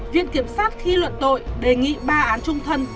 viện kiểm sát khi luận tội đề nghị ba án trung thân